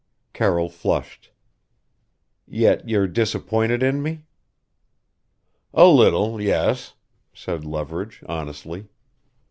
Carroll flushed. "Yet you're disappointed in me?" "A little yes," said Leverage honestly.